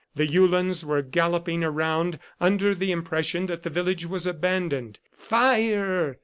The Uhlans were galloping around under the impression that the village was abandoned. "Fire!"